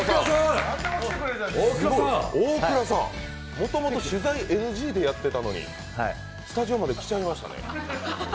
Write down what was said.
もともと取材ＮＧでやっていたのにスタジオまで来ちゃいましたね。